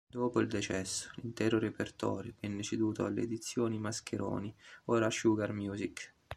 Dopo il decesso, l'intero repertorio, venne ceduto alle edizioni Mascheroni, ora Sugar Music.